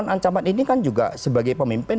dan ancaman ancaman ini kan juga sebagai pemimpin